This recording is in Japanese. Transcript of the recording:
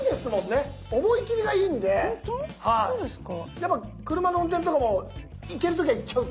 やっぱ車の運転とかも行ける時は行っちゃうって感じですか？